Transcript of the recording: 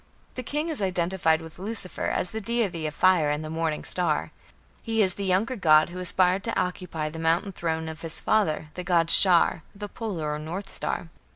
" The king is identified with Lucifer as the deity of fire and the morning star; he is the younger god who aspired to occupy the mountain throne of his father, the god Shar the Polar or North Star.